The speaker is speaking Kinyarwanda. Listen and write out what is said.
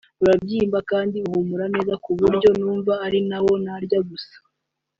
urabyimba kandi uhumura neza ku buryo numva ari wo narya gusa